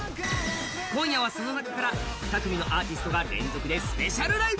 今夜はその中から２組のアーティストが連続でライブ。